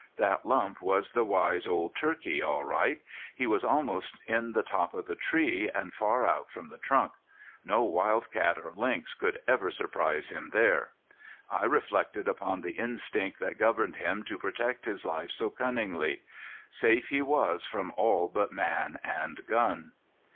That lump was the wise old turkey all right. He was almost in the top of the tree and far out from the trunk. No wild cat or lynx could ever surprise him there! I reflected upon the instinct that governed him to protect his life so cunningly. Safe he was from all but man and gun!